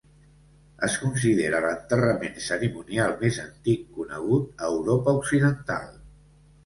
Es considera l'enterrament cerimonial més antic conegut a Europa Occidental.